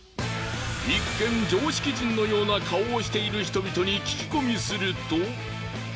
一見常識人のような顔をしている人々に聞き込みすると。